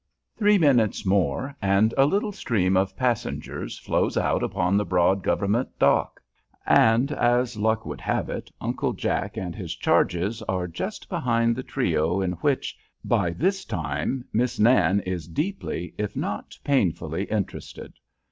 Three minutes more and a little stream of passengers flows out upon the broad government dock, and, as luck would have it, Uncle Jack and his charges are just behind the trio in which, by this time, Miss Nan is deeply, if not painfully, interested.